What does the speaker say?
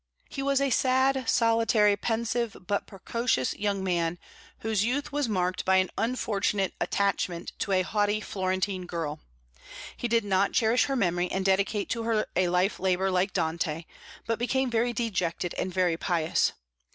He was a sad, solitary, pensive, but precocious young man, whose youth was marked by an unfortunate attachment to a haughty Florentine girl. He did not cherish her memory and dedicate to her a life labor, like Dante, but became very dejected and very pious.